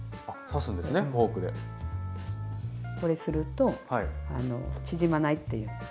これすると縮まないっていう。